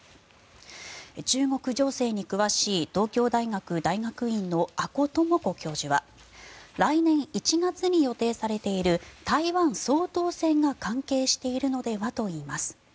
中国情勢に詳しい東京大学大学院の阿古智子教授は来年１月に予定されている台湾総統選が関係しているのではといいます。